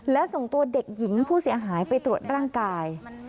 และส่งตัวเด็กหญิงผู้เสียหายไปตรวจร่างกาย